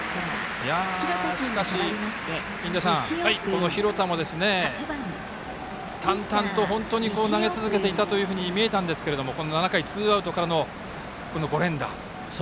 しかし、印出さん、この廣田も淡々と投げ続けていたように見えたんですが７回ツーアウトからの５連打。